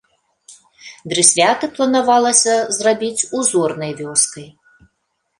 Дрысвяты планавалася зрабіць узорнай вёскай.